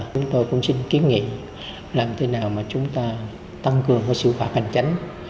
chúng tôi cũng xin kiến nghị làm thế nào mà chúng ta tăng cường sự khỏe hành tránh